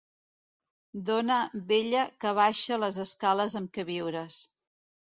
Dona vella que baixa les escales amb queviures.